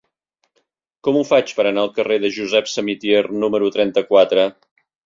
Com ho faig per anar al carrer de Josep Samitier número trenta-quatre?